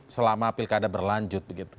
selama pilkada berlanjut